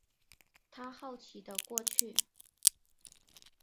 他好奇的过去